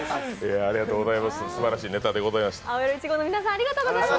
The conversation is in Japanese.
ありがとうございます。